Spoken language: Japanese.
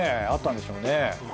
あったんでしょうね。